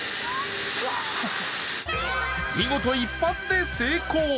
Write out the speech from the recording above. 見事一発で成功！